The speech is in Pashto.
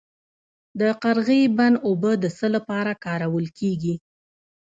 د قرغې بند اوبه د څه لپاره کارول کیږي؟